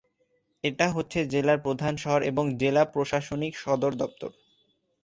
এটি হচ্ছে জেলার প্রধান শহর এবং জেলা প্রশাসনিক সদরদপ্তর।